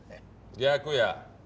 逆や。